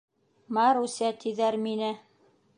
— Маруся, тиҙәр мине.